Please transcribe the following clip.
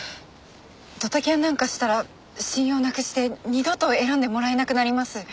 ドタキャンなんかしたら信用なくして二度と選んでもらえなくなります。